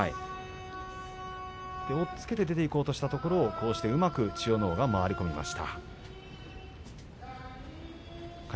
押っつけて出ていこうとしたところを千代ノ皇うまく回り込みました。